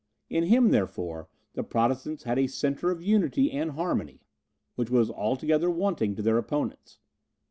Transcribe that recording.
In him, therefore, the Protestants had a centre of unity and harmony, which was altogether wanting to their opponents.